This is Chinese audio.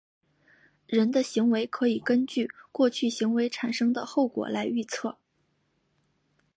人的行为可以根据过去行为产生的后果来预测。